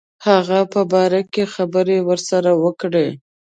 هغه په باره کې خبري ورسره وکړي.